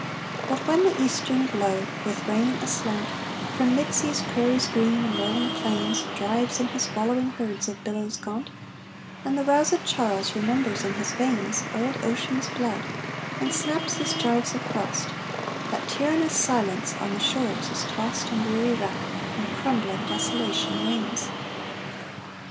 But when the eastern blow, with rain aslant, From mid sea's prairies green and rolling plains Drives in his wallowing herds of billows gaunt, And the roused Charles remembers in his veins Old Ocean's blood and snaps his gyves of frost, That tyrannous silence on the shores is tost In dreary wreck, and crumbling desolation reigns.